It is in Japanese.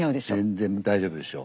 全然大丈夫でしょ。